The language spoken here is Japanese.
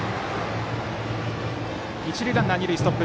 一塁ランナーは二塁ストップ。